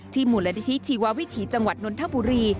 ที่หมุนละทิศีววิถีจังหวัดนนทบุรี